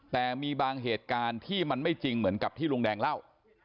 แต่มีบางเหตุการณ์ที่มันไม่จริงเหมือนกับที่ลุงแดงเล่า